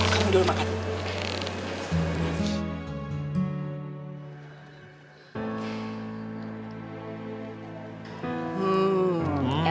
kamu dulu makan